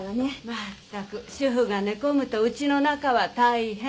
まったく主婦が寝込むとウチの中は大変。